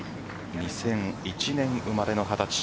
２００１年生まれの２０歳。